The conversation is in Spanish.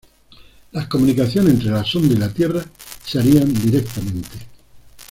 Las comunicaciones entre la sonda y la Tierra se harían directamente.